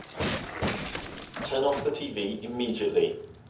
Turn off the tv immediately!